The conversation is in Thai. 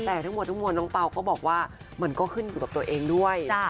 แต่ทั้งหมดทั้งมวลน้องเปล่าก็บอกว่ามันก็ขึ้นอยู่กับตัวเองด้วย